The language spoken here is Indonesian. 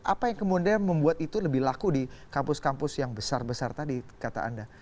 apa yang kemudian membuat itu lebih laku di kampus kampus yang besar besar tadi kata anda